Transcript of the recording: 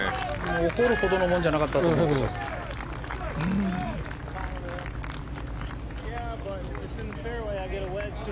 怒るほどのものじゃなかったけどね。